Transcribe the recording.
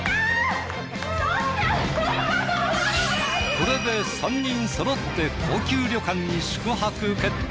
これで３人そろって高級旅館に宿泊決定！